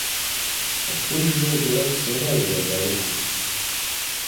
Адкуль жа бярэцца энергія для руху?